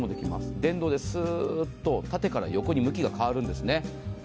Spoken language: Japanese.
電動ですーっと縦から横に向きが変わるんですね。